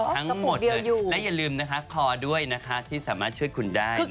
ทั้งหมดเลยและอย่าลืมนะคะคอด้วยนะคะที่สามารถช่วยคุณได้นะคะ